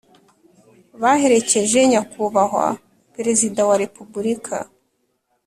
baherekeje Nyakubahwa Perezida wa repubulika